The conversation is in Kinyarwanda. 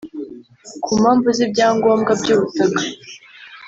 ku mpamvu z’ ibyangombwa by’ ubutaka